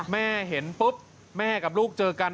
แม่เห็นปุ๊บแม่กับลูกเจอกัน